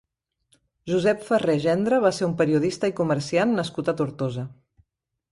Josep Ferré Gendre va ser un periodista i comerciant nascut a Tortosa.